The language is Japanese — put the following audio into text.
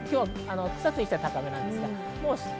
草津にしては高めです。